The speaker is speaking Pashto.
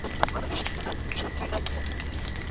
نامتو څېړونکي وویل چي دا د هوسۍ پښې دي.